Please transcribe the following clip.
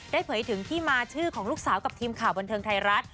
เผยถึงที่มาชื่อของลูกสาวกับทีมข่าวบันเทิงไทยรัฐ